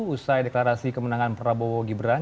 usai deklarasi kemenangan prabowo gibran